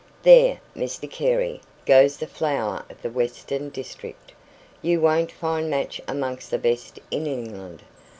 "There, Mr Carey, goes the flower of the Western District. You won't find her match amongst the best in England.